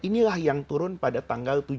inilah yang turun pada tanggal tujuh belas